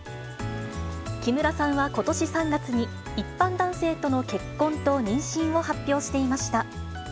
木村さんはことし３月に、一般男性との結婚と妊娠を発表していました。